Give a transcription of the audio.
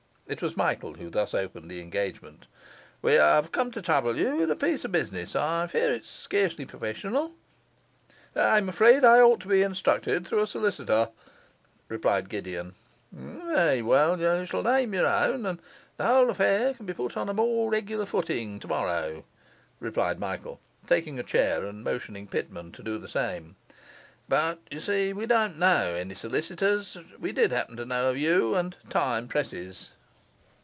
It was Michael who thus opened the engagement. 'We have come to trouble you with a piece of business. I fear it's scarcely professional ' 'I am afraid I ought to be instructed through a solicitor,' replied Gideon. 'Well, well, you shall name your own, and the whole affair can be put on a more regular footing tomorrow,' replied Michael, taking a chair and motioning Pitman to do the same. 'But you see we didn't know any solicitors; we did happen to know of you, and time presses.